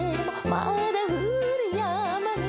「まだふりやまぬ」